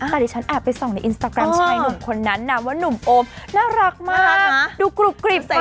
แต่ดิฉันแอบไปส่องในอินสตาแกรมชายหนุ่มคนนั้นนะว่านุ่มโอมน่ารักมากดูกรุบกรีบ